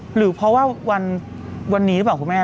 หรือเพราะว่าวันนี้หรือเปล่าคุณแม่